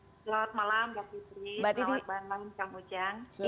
selamat malam kang ujang